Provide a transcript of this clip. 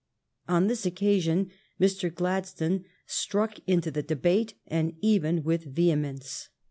On this occasion Mr. Gladstone struck into the debate, and even with vehemence.